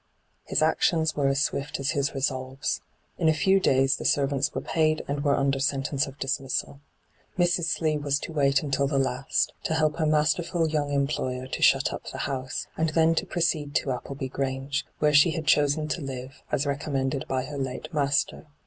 His actions were as swift as his resolves. In a few days the servants were paid and were under sentence of dismissal. Mrs. Slee was to wait untU the last, to help her master ful young employer to shut up the house, and then to proceed to Appleby Grange, where she had chosen to live, as recommended by her late master.